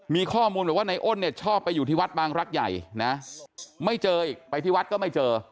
มีข้อมูลบอกว่าในอ้นเนี่ยชอบไปอยู่ที่วัดบางรักใหญ่นะไม่เจออีกไปที่วัดก็ไม่เจอ